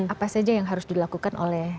apa saja yang harus dilakukan oleh